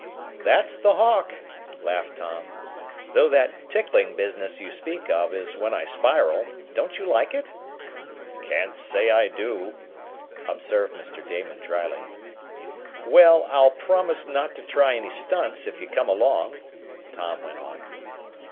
"That's the Hawk!" laughed Tom; "though that tickling business you speak of is when I spiral. Don't you like it?" "Can't say I do," observed Mr. Damon dryly. "Well, I'll promise not to try any stunts if you come along," Tom went on.